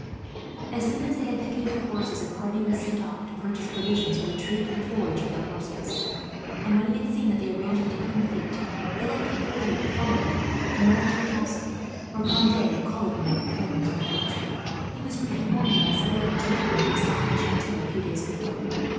As soon as they had picketed their horses, a party were sent off, to purchase provisions for the troop and forage for their horses; and when he had seen that the arrangements were complete, Philip told Pierre to follow him, and went up to the castle, where Conde and Coligny, with their families, were lodged. He was greeted warmly by several of the gentlemen who had stopped at the chateau, a few days before.